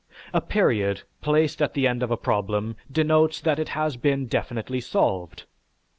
A period placed at the end of a problem denotes that it has been definitely solved.